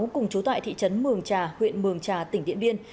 cùng chú tại thị trấn mường trà huyện mường trà tỉnh điện biên